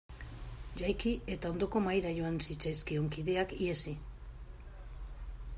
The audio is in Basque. Jaiki eta ondoko mahaira joan zitzaizkion kideak ihesi.